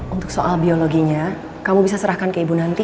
untuk soal biologinya kamu bisa serahkan ke ibu nanti